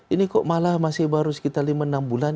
ini kok malah masih baru sekitar lima enam bulan